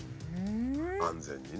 安全にね。